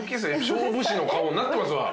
勝負師の顔になってますわ。